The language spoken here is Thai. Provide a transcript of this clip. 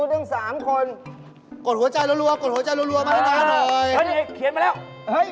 หน้าโชว์ฟันเลยเดี๋ยวเขาซื้อ